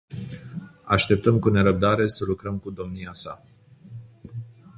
Așteptăm cu nerăbdare să lucrăm cu domnia sa.